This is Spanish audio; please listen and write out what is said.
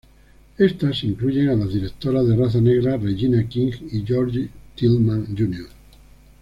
Estas incluyen a las directoras de raza negra Regina King y George Tillman, Jr.